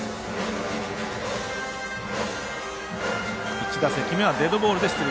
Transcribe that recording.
１打席目はデッドボールで出塁。